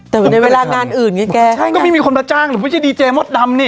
แต่ในเวลางานอื่นไงแกใช่ก็ไม่มีคนมาจ้างหรือไม่ใช่ดีเจมดดำนี่